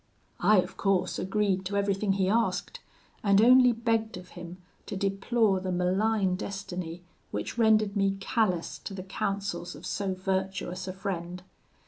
"I, of course, agreed to everything he asked, and only begged of him to deplore the malign destiny which rendered me callous to the counsels of so virtuous a friend.